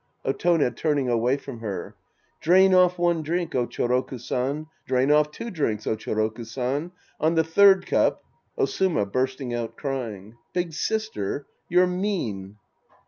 Otone {turning away from her). Drain off one drink, oh, Choroku San, Drain off two drinks, oh, Choroku San, On the third cup — Osuma {bursting out crying). Big sister. You're mean.